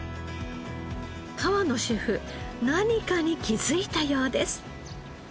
河野シェフ何かに気づいたようです。